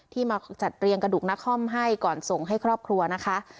มาจัดเรียงกระดูกนครให้ก่อนส่งให้ครอบครัวนะคะ